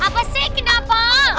apa sih kenapa